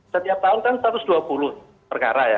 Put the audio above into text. setiap tahun kan satu ratus dua puluh perkara ya